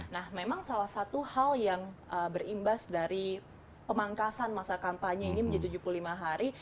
nah memang salah satu hal yang berimbas dari pemangkasan masa kampanye ini menjadi tujuh puluh lima hari